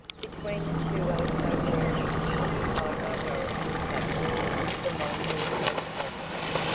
Between the two alcove rooms, occupied by Dorothy and Tavia, was a long wardrobe closet.